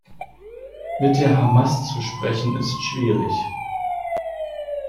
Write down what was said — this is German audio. Mit der Hamas zu sprechen, ist schwierig.